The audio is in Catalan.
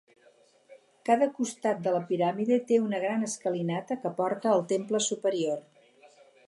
Cada costat de la piràmide té una gran escalinata que porta al temple superior.